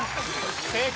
正解。